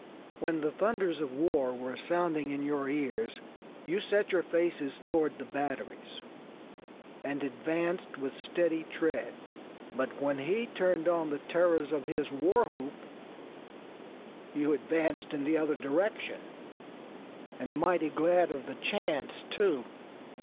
When the thunders of war were sounding in your ears you set your faces toward the batteries, and advanced with steady tread; but when he turned on the terrors of his war whoop you advanced in the other direction, and mighty glad of the chance, too.